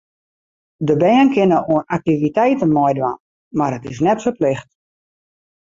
De bern kinne oan aktiviteiten meidwaan, mar it is net ferplicht.